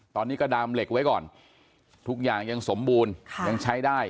ตอนนี้ก็ดามเหล็กไว้ก่อนทุกอย่างยังสมบูรณ์ยังใช้ได้